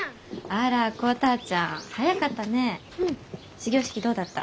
始業式どうだった？